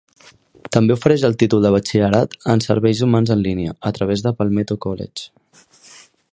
També ofereix el títol de batxillerat en serveis humans en línia, a través de Palmetto College.